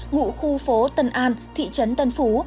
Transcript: ngụ khu phố tân an thị trấn tân phú